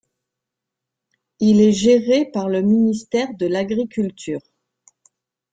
Il est géré par le ministère de l'Agriculture.